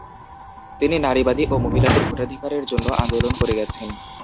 তিনি নারীবাদী ও মহিলাদের ভোটাধিকারের জন্য আন্দোলন করে গেছেন।